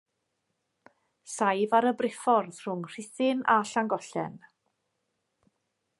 Saif ar y briffordd rhwng Rhuthun a Llangollen.